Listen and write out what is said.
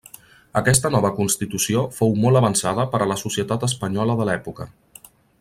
Aquesta nova constitució fou molt avançada per a la societat espanyola de l'època.